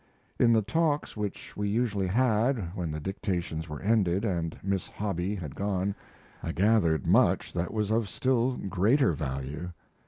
In the talks which we usually had, when the dictations were ended and Miss Hobby had gone, I gathered much that was of still greater value.